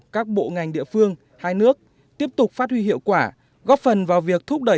các bộ ngành địa phương hai nước tiếp tục phát huy hiệu quả góp phần vào việc thúc đẩy